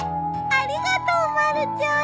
ありがとうまるちゃん。